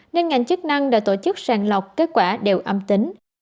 nên ngành chức năng đã tổ chức sàng lọc kết quả đều âm tính